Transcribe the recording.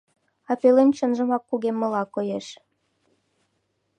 А пӧлем чынжымак кугеммыла коеш.